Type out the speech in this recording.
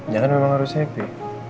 ya kan memang harus happy